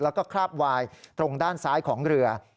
แล้วก็คราบวายตรงด้านซ้ายของเรือ